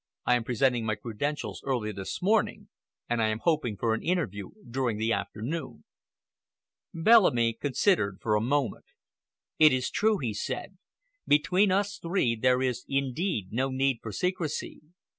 I am presenting my credentials early this morning, and I am hoping for an interview during the afternoon." Bellamy considered for a moment. "It is true!" he said. "Between us three there is indeed no need for secrecy.